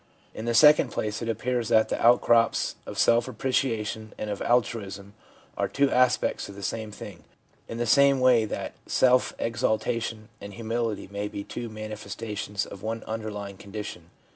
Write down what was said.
In the second place, it appears that the outcrops of self appreciation and of THE CHARACTER OF THE NEW LIFE 129 altruism are two aspects of the same thing, in the same way that self exaltation and humility may be two mani festations of one underlying condition.